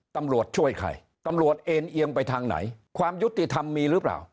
ตำรวจช่วยใครตำรวจเอ็นเอียงไปทางไหนความยุติธรรมมีหรือเปล่า